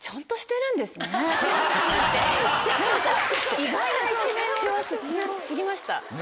意外な一面を知りました。